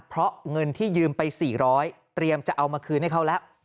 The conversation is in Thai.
เพราะเงินที่ยืมไป๔๐๐เตรียมจะเอามาคืนให้เขาแล้ว